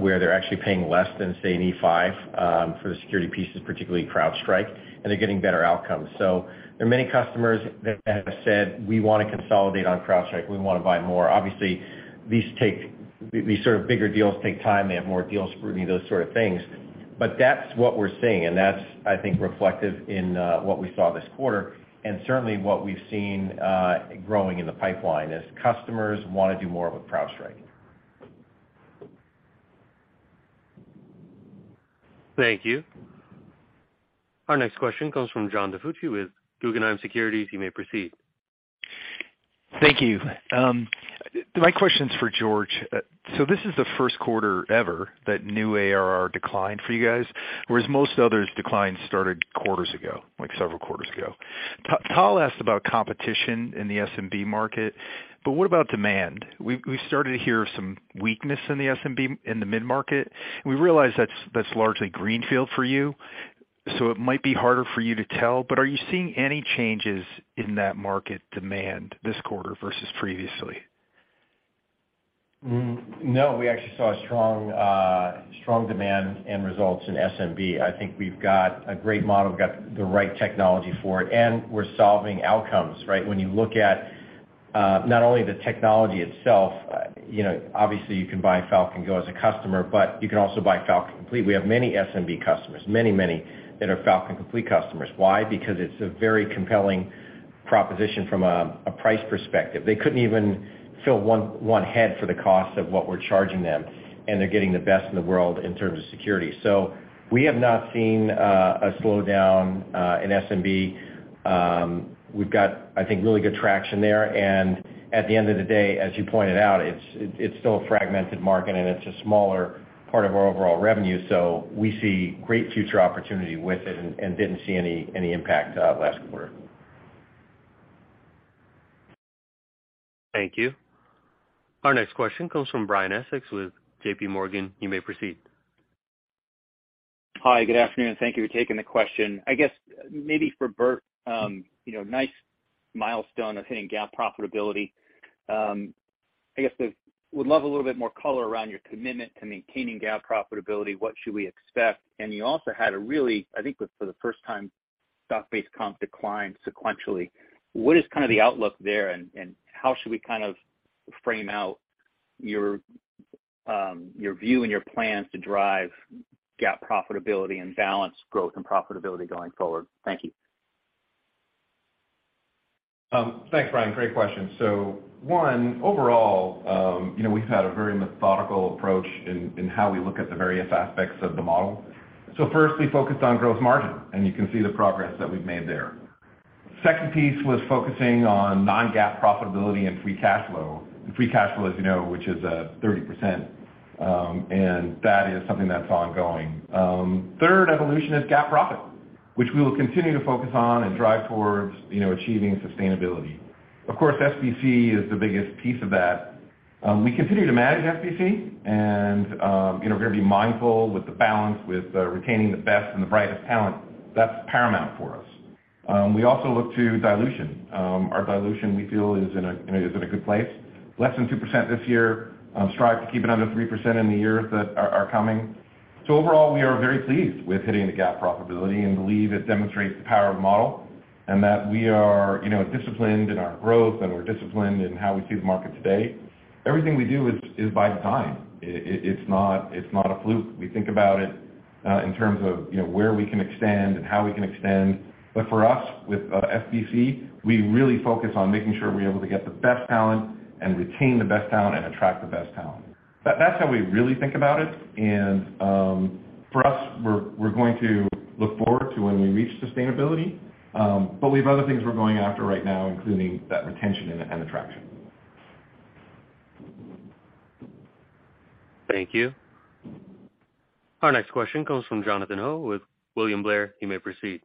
where they're actually paying less than, say, an E5, for the security pieces, particularly CrowdStrike, and they're getting better outcomes. There are many customers that have said, "We want to consolidate on CrowdStrike. We want to buy more." Obviously, these sort of bigger deals take time. They have more deal scrutiny, those sort of things. That's what we're seeing, and that's, I think, reflective in what we saw this quarter, and certainly what we've seen growing in the pipeline, as customers want to do more with CrowdStrike. Thank you. Our next question comes from John DiFucci with Guggenheim Securities. You may proceed. Thank you. My question's for George. This is the first quarter ever that new ARR declined for you guys, whereas most others declines started quarters ago, like several quarters ago. T-Paul asked about competition in the SMB market, but what about demand? We started to hear some weakness in the SMB, in the mid-market. We realize that's largely greenfield for you, so it might be harder for you to tell, but are you seeing any changes in that market demand this quarter versus previously? No, we actually saw a strong demand and results in SMB. I think we've got a great model, we've got the right technology for it, and we're solving outcomes, right? When you look at, not only the technology itself, you know, obviously, you can buy Falcon Go as a customer, but you can also buy Falcon Complete. We have many SMB customers, many that are Falcon Complete customers. Why? Because it's a very compelling proposition from a price perspective. They couldn't even fill one head for the cost of what we're charging them, and they're getting the best in the world in terms of security. We have not seen a slowdown in SMB. We've got, I think, really good traction there, and at the end of the day, as you pointed out, it's still a fragmented market, and it's a smaller part of our overall revenue. We see great future opportunity with it and didn't see any impact last quarter. Thank you. Our next question comes from Brian Essex with J.P. Morgan. You may proceed. Hi, good afternoon, and thank you for taking the question. I guess maybe for Burt, you know, nice milestone of hitting GAAP profitability. I guess I would love a little bit more color around your commitment to maintaining GAAP profitability. What should we expect? And you also had a really, I think, for the first time, stock-based comp declined sequentially. What is kind of the outlook there, and how should we kind of frame out your view and your plans to drive GAAP profitability and balance growth and profitability going forward? Thank you. Thanks, Brian. Great question. One, overall, you know, we've had a very methodical approach in how we look at the various aspects of the model. First, we focused on growth margin, and you can see the progress that we've made there. Second piece was focusing on non-GAAP profitability and free cash flow. Free cash flow, as you know, which is at 30%, and that is something that's ongoing. Third evolution is GAAP profit, which we will continue to focus on and drive towards, you know, achieving sustainability. Of course, SBC is the biggest piece of that. We continue to manage SBC and, you know, we're going to be mindful with the balance, with retaining the best and the brightest talent. That's paramount for us. We also look to dilution. Our dilution, we feel, is in a good place. Less than 2% this year, strive to keep it under 3% in the years that are coming. Overall, we are very pleased with hitting the GAAP profitability and believe it demonstrates the power of the model, and that we are, you know, disciplined in our growth, and we're disciplined in how we see the market today. Everything we do is by design. It's not a fluke. We think about it, in terms of, you know, where we can extend and how we can extend. For us, with SBC, we really focus on making sure we're able to get the best talent and retain the best talent and attract the best talent. That's how we really think about it. For us, we're going to look forward to when we reach sustainability. We have other things we're going after right now, including that retention and attraction. Thank you. Our next question comes from Jonathan Ho with William Blair. You may proceed.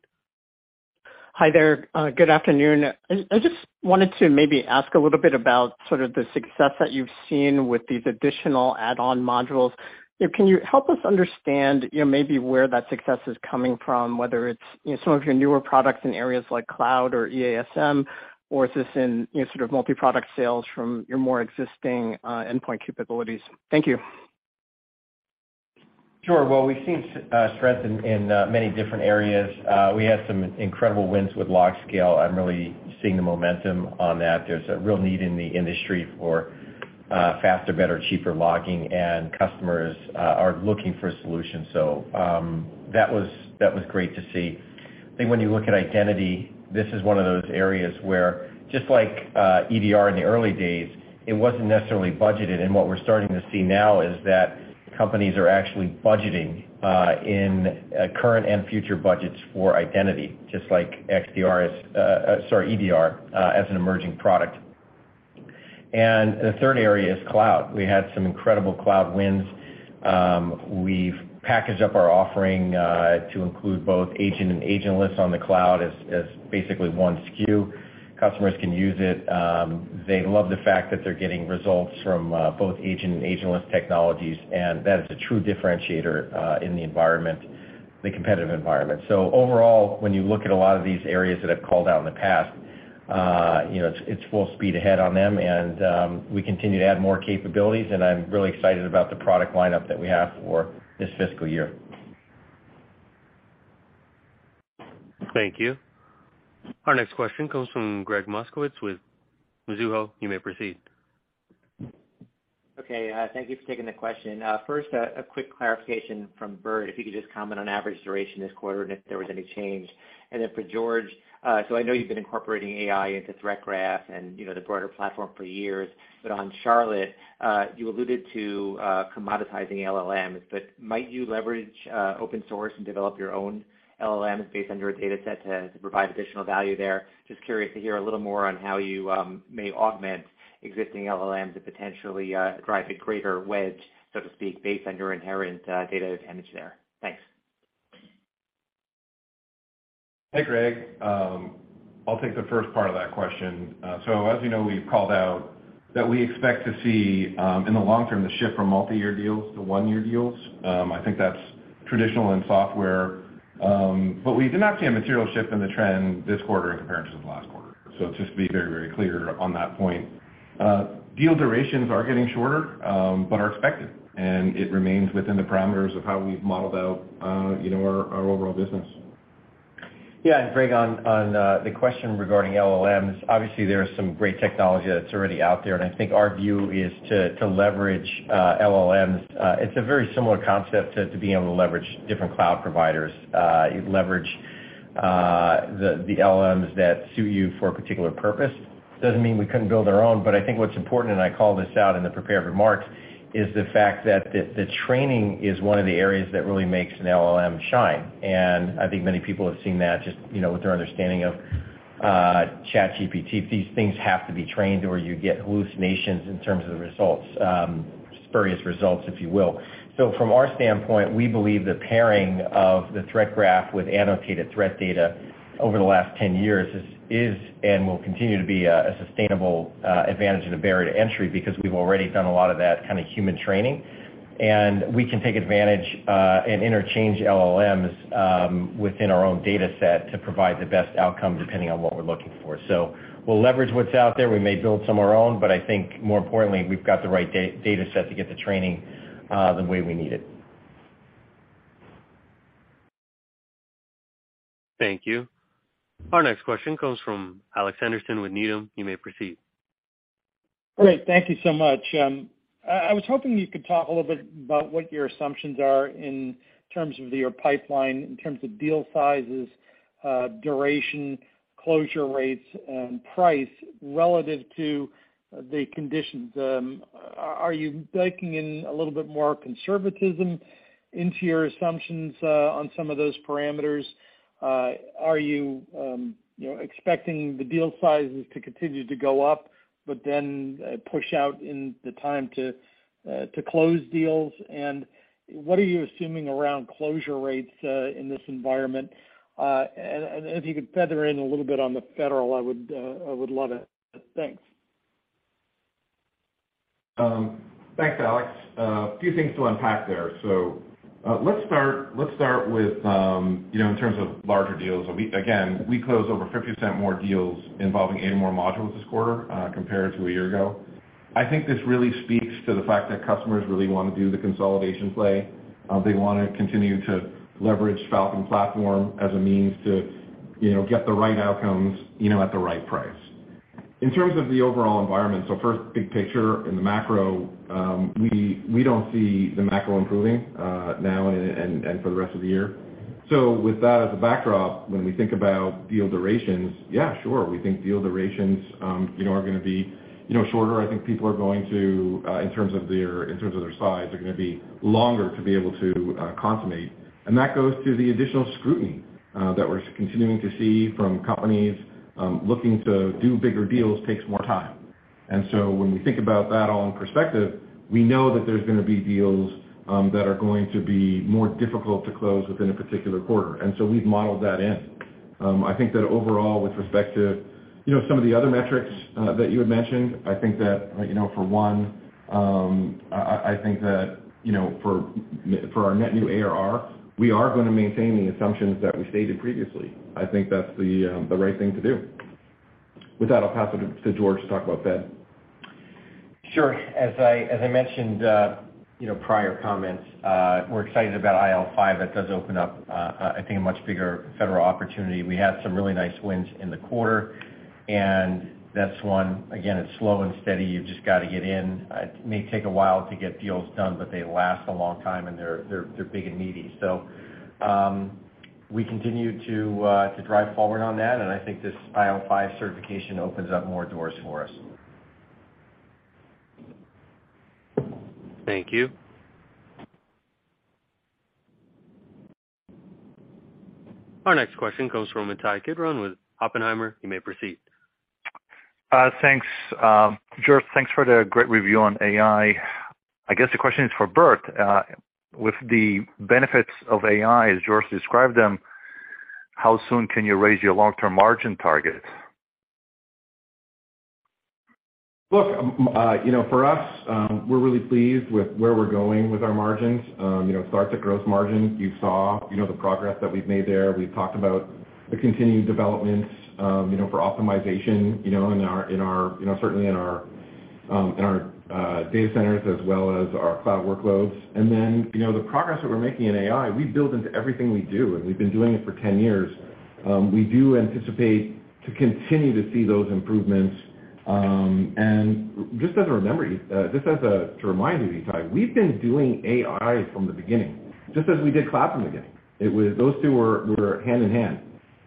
Hi there, good afternoon. I just wanted to maybe ask a little bit about sort of the success that you've seen with these additional add-on modules. Can you help us understand, you know, maybe where that success is coming from, whether it's, you know, some of your newer products in areas like cloud or EASM, or is this in, you know, sort of multi-product sales from your more existing endpoint capabilities? Thank you. Sure. Well, we've seen strength in many different areas. We had some incredible wins with LogScale. I'm really seeing the momentum on that. There's a real need in the industry for faster, better, cheaper logging, and customers are looking for a solution. That was great to see. I think when you look at identity, this is one of those areas where, just like, EDR in the early days, it wasn't necessarily budgeted, and what we're starting to see now is that companies are actually budgeting, in, current and future budgets for identity, just like XDR as, sorry, EDR, as an emerging product. The third area is cloud. We've packaged up our offering to include both agent and agentless on the cloud as basically one SKU. Customers can use it. They love the fact that they're getting results from both agent and agentless technologies, and that is a true differentiator in the environment, the competitive environment. Overall, when you look at a lot of these areas that I've called out in the past, you know, it's full speed ahead on them, and we continue to add more capabilities, and I'm really excited about the product lineup that we have for this fiscal year. Thank you. Our next question comes from Gregg Moskowitz with Mizuho. You may proceed. Okay, thank you for taking the question. First, a quick clarification from Burt. If you could just comment on average duration this quarter and if there was any change. For George, I know you've been incorporating AI into Threat Graph and, you know, the broader platform for years, but on Charlotte AI, you alluded to commoditizing LLMs, but might you leverage open source and develop your own LLMs based on your dataset to provide additional value there? Just curious to hear a little more on how you may augment existing LLMs to potentially drive a greater wedge, so to speak, based on your inherent data advantage there. Thanks. Hey, Gregg. I'll take the first part of that question. As you know, we've called out that we expect to see, in the long term, the shift from multi-year deals to 1-year deals. I think that's traditional in software, but we did not see a material shift in the trend this quarter in comparison to the last quarter. Just to be very, very clear on that point, deal durations are getting shorter, but are expected, and it remains within the parameters of how we've modeled out, you know, our overall business. Greg, on the question regarding LLMs, obviously, there is some great technology that's already out there, I think our view is to leverage LLMs. It's a very similar concept to being able to leverage different cloud providers. You leverage the LLMs that suit you for a particular purpose. Doesn't mean we couldn't build our own, but I think what's important, and I called this out in the prepared remarks, is the fact that the training is one of the areas that really makes an LLM shine. I think many people have seen that just, you know, with their understanding of ChatGPT. These things have to be trained, or you get hallucinations in terms of the results, spurious results, if you will. From our standpoint, we believe the pairing of the Threat Graph with annotated threat data over the last 10 years is and will continue to be a sustainable advantage and a barrier to entry because we've already done a lot of that kind of human training. We can take advantage and interchange LLMs within our own data set to provide the best outcome, depending on what we're looking for. We'll leverage what's out there. We may build some of our own, but I think more importantly, we've got the right data set to get the training the way we need it. Thank you. Our next question comes from Alex Henderson with Needham. You may proceed. Great. Thank you so much. I was hoping you could talk a little bit about what your assumptions are in terms of your pipeline, in terms of deal sizes, duration, closure rates, and price relative to the conditions. Are, are you baking in a little bit more conservatism into your assumptions on some of those parameters? Are you know, expecting the deal sizes to continue to go up, but then push out in the time to close deals? What are you assuming around closure rates in this environment? If you could feather in a little bit on the federal, I would, I would love it. Thanks. Thanks, Alex. A few things to unpack there. Let's start with, you know, in terms of larger deals. Again, we closed over 50% more deals involving eight more modules this quarter compared to a year ago. I think this really speaks to the fact that customers really want to do the consolidation play. They wanna continue to leverage Falcon Platform as a means to, you know, get the right outcomes, you know, at the right price. In terms of the overall environment, so first, big picture in the macro, we don't see the macro improving now and for the rest of the year. With that as a backdrop, when we think about deal durations, yeah, sure, we think deal durations, you know, are gonna be, you know, shorter. I think people are going to, in terms of their, in terms of their size, are gonna be longer to be able to consummate. That goes to the additional scrutiny that we're continuing to see from companies looking to do bigger deals takes more time. When we think about that all in perspective, we know that there's gonna be deals that are going to be more difficult to close within a particular quarter, and so we've modeled that in. I think that overall, with respect to, you know, some of the other metrics that you had mentioned, I think that, you know, for one, I think that, you know, for our net new ARR, we are gonna maintain the assumptions that we stated previously. I think that's the right thing to do. With that, I'll pass it to George to talk about Fed. Sure. As I mentioned, you know, prior comments, we're excited about IL5. That does open up, I think, a much bigger federal opportunity. We had some really nice wins in the quarter, and that's one... Again, it's slow and steady. You've just got to get in. It may take a while to get deals done, but they last a long time, and they're big and meaty. We continue to drive forward on that, and I think this IL5 certification opens up more doors for us. Thank you. Our next question comes from Ittai Kidron with Oppenheimer. You may proceed. thanks, George, thanks for the great review on AI. I guess the question is for Burt. With the benefits of AI, as George described them, how soon can you raise your long-term margin target? Look, you know, for us, we're really pleased with where we're going with our margins. You know, start to gross margin. You saw, you know, the progress that we've made there. We've talked about the continued developments, you know, for optimization, you know, in our, you know, certainly in our data centers as well as our cloud workloads. You know, the progress that we're making in AI, we build into everything we do, and we've been doing it for 10 years. We do anticipate to continue to see those improvements. Just as a memory, just as a to remind you, Ittai, we've been doing AI from the beginning, just as we did cloud from the beginning. Those two were hand in hand.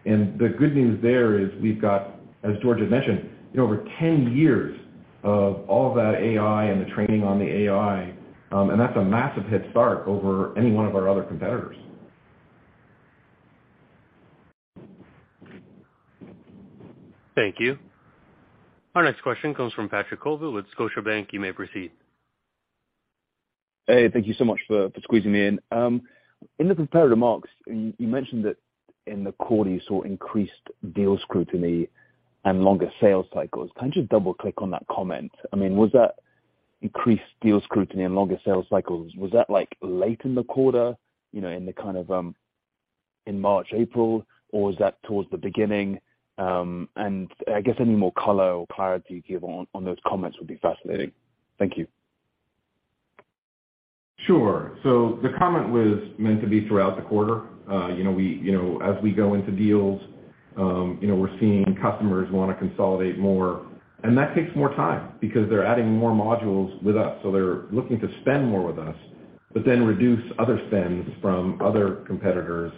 The good news there is we've got, as George had mentioned, over 10 years of all that AI and the training on the AI, and that's a massive head start over any one of our other competitors. Thank you. Our next question comes from Patrick Colville with Scotiabank. You may proceed. Hey, thank you so much for squeezing me in. In the prepared remarks, you mentioned that in the quarter you saw increased deal scrutiny and longer sales cycles. Can you just double-click on that comment? I mean, was that increased deal scrutiny and longer sales cycles, was that, like, late in the quarter, you know, in the kind of, in March, April, or was that towards the beginning? I guess any more color or clarity you give on those comments would be fascinating. Thank you. Sure. The comment was meant to be throughout the quarter. You know, as we go into deals, you know, we're seeing customers want to consolidate more, and that takes more time because they're adding more modules with us. They're looking to spend more with us, but then reduce other spends from other competitors.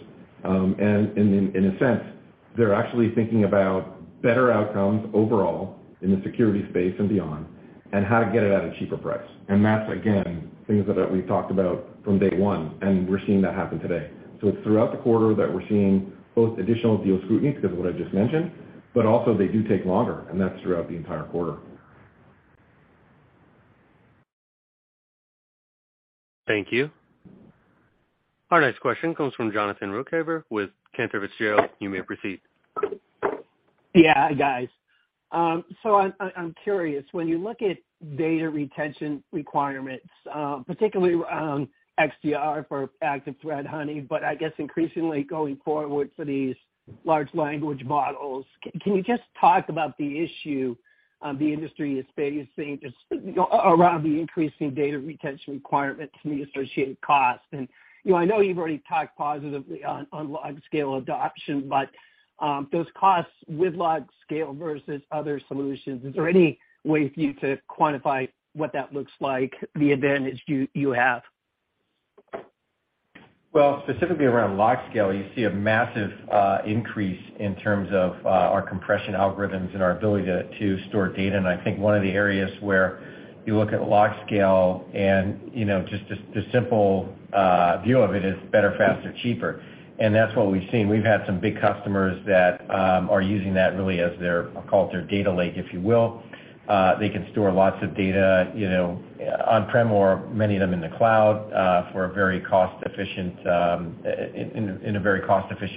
In a sense, they're actually thinking about better outcomes overall in the security space and beyond, and how to get it at a cheaper price. That's, again, things that we've talked about from day one, and we're seeing that happen today. It's throughout the quarter that we're seeing both additional deal scrutiny because of what I just mentioned, but also they do take longer, and that's throughout the entire quarter. Thank you. Our next question comes from Jonathan Ruykhaver with Cantor Fitzgerald. You may proceed. Hi, guys. I'm curious, when you look at data retention requirements, particularly around XDR for active threat hunting, but I guess increasingly going forward for these Large Language Models, can you just talk about the issue the industry is facing just, you know, around the increasing data retention requirements and the associated costs? You know, I know you've already talked positively on LogScale adoption, but those costs with LogScale versus other solutions, is there any way for you to quantify what that looks like, the advantage you have? Specifically around LogScale, you see a massive increase in terms of our compression algorithms and our ability to store data. I think one of the areas where you look at LogScale and, you know, just the simple view of it is better, faster, cheaper. That's what we've seen. We've had some big customers that are using that really as I call it their data lake, if you will. They can store lots of data, you know, on-prem or many of them in the cloud, in a very cost-efficient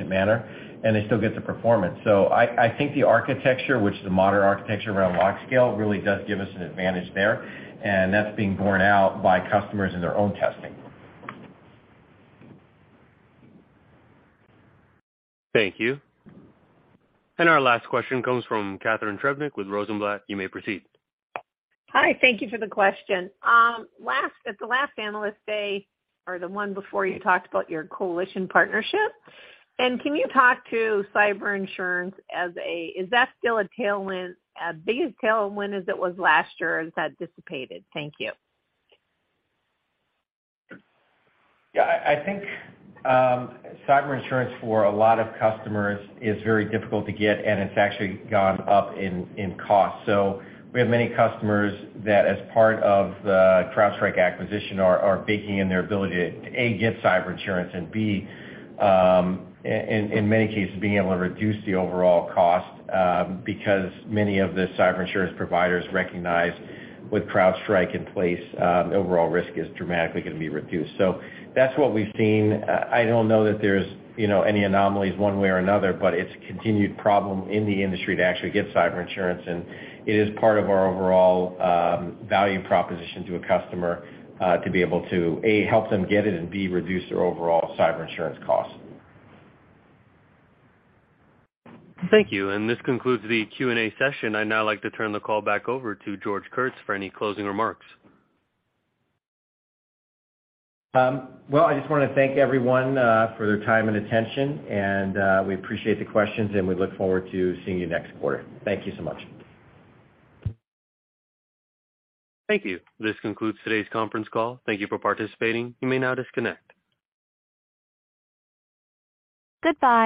manner, and they still get the performance. I think the architecture, which is a modern architecture around LogScale, really does give us an advantage there, and that's being borne out by customers in their own testing. Thank you. Our last question comes from Catharine Trebnick with Rosenblatt Securities. You may proceed. Hi, thank you for the question. At the last Analyst Day, or the one before, you talked about your Coalition partnership. Can you talk to cyber insurance as a... Is that still a tailwind, as big a tailwind as it was last year, or has that dissipated? Thank you. Yeah, I think cyber insurance for a lot of customers is very difficult to get, and it's actually gone up in cost. We have many customers that, as part of the CrowdStrike acquisition, are baking in their ability to, A, get cyber insurance, and B, in many cases, being able to reduce the overall cost, because many of the cyber insurance providers recognize with CrowdStrike in place, overall risk is dramatically going to be reduced. That's what we've seen. I don't know that there's, you know, any anomalies one way or another, but it's a continued problem in the industry to actually get cyber insurance, and it is part of our overall value proposition to a customer, to be able to, A, help them get it, and B, reduce their overall cyber insurance costs. Thank you. This concludes the Q&A session. I'd now like to turn the call back over to George Kurtz for any closing remarks. Well, I just want to thank everyone for their time and attention, and we appreciate the questions, and we look forward to seeing you next quarter. Thank you so much. Thank you. This concludes today's conference call. Thank you for participating. You may now disconnect. Goodbye.